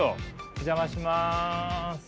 お邪魔します。